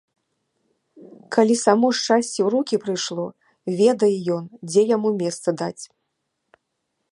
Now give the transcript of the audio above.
Калі само шчасце ў рукі прыйшло, ведае ён, дзе яму месца даць.